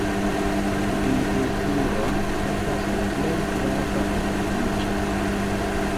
Vinkulturo estas la plej grava okupiĝo.